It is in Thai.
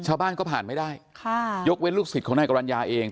ชาวบ้านก็ผ่านไม่ได้ค่ะยกเว้นลูกศิษย์ของนายกรรณญาเอง